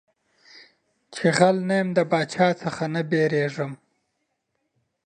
چي غل نه يم د باچا څه نه بيرېږم.